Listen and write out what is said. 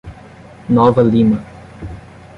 Nova Lima